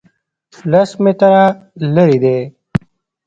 لس متره لرې دی